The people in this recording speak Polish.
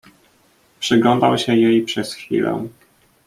"Przyglądał się jej przez chwilę."